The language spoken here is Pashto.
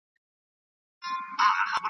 هر انسان به خپل عیبونه سمولای .